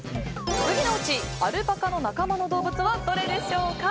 次のうちアルパカの仲間の動物はどれでしょうか。